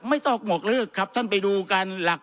ไม่ต้องหวกเลิกครับท่านไปดูกันหลัก